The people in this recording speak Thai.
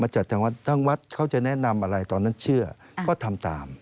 จากทางวัดทางวัดเขาจะแนะนำอะไรตอนนั้นเชื่อก็ทำตาม